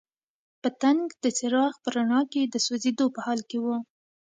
پتنګ د څراغ په رڼا کې د سوځېدو په حال کې وو.